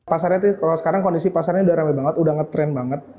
pasarnya kalau sekarang kondisi pasarnya udah rame banget udah ngetrend banget